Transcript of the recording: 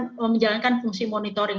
dia akan menjalankan fungsi monitoring